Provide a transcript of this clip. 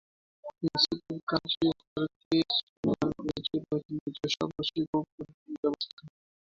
Principal Kazi Faruqui school and কলেজে রয়েছে নিজস্ব আবাসিক ও পরিবহন ব্যবস্থা।